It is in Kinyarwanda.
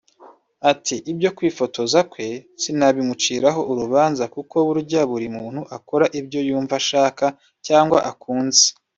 Ati “ Ibyo kwifotoza kwe sinabimuciraho urubanza kuko burya buri muntu akora ibyo yumva ashaka cyangwa akunze